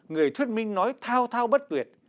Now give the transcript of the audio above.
người thuyết minh nói thao thao bất tuyệt